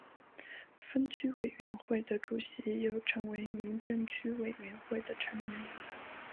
分区委员会的主席又成为民政区委员会的成员。